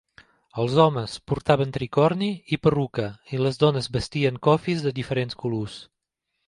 Els homes portaven tricorni i perruca i les dones vestien còfies de diferents colors.